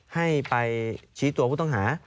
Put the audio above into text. ให้ไปชี้ตัวผู้ต้องหา